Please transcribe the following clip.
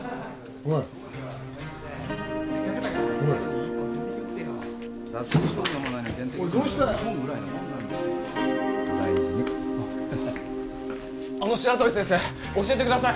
お大事に白鳥先生教えてください